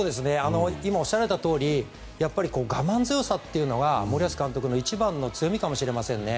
今おっしゃられたとおりやっぱり我慢強さというのが森保監督の一番の強みかもしれませんね。